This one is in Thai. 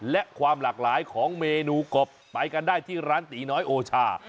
และความหลากหลายของเมนูกบไปกันได้ที่ร้านตีน้อยโอชา